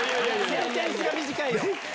センテンスが短いよ！